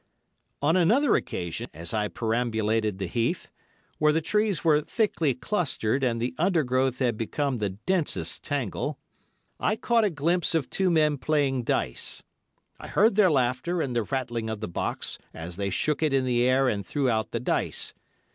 On another occasion, as I perambulated the heath, where the trees were thickly clustered and the undergrowth had become the densest tangle, I caught a glimpse of two men playing dice. I heard their laughter and the rattling of the box, as they shook it in the air and threw out the dice.